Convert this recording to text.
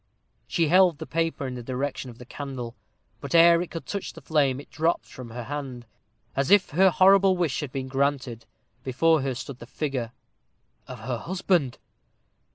She held the paper in the direction of the candle; but, ere it could touch the flame, it dropped from her hand. As if her horrible wish had been granted, before her stood the figure of her husband!